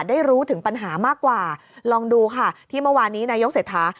รู้ถึงปัญหามากกว่าลองดูค่ะที่เมื่อวานนี้นายกเศรษฐา